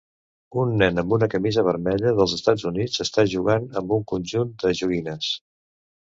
Un nen amb una camisa vermella dels Estats Units està jugant amb un conjunt de joguines